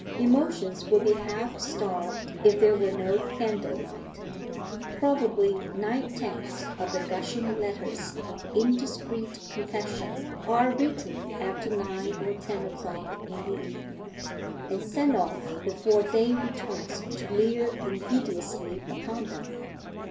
Emotions would be half starved if there were no candle light. Probably nine tenths of the gushing letters of indiscreet confession are written after nine or ten o'clock in the evening, and sent off before day returns to leer invidiously upon them.